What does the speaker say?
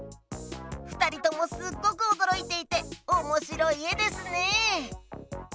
ふたりともすっごくおどろいていておもしろいえですね！